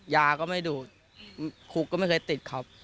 ยาก็ไม่ดูดคุกก็ไม่เคยติดครับ